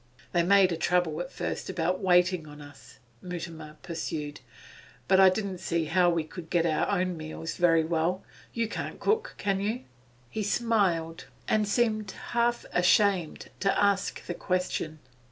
'They made a trouble at first about waiting on us,' Mutimer pursued. 'But I didn't see how we could get our own meals very well. You can't cook, can you?' He smiled, and seemed half ashamed to ask the question.